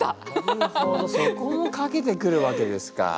なるほどそこもかけてくるわけですか。